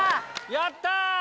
やった！